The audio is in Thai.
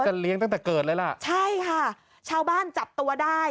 เลี้ยงตั้งแต่เกิดเลยล่ะใช่ค่ะชาวบ้านจับตัวได้